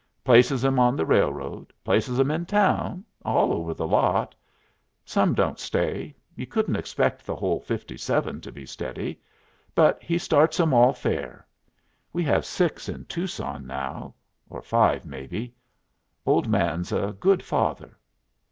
Places 'em on the railroad, places 'em in town, all over the lot. Some don't stay; you couldn't expect the whole fifty seven to be steady; but he starts 'em all fair. We have six in Tucson now, or five, maybe. Old man's a good father."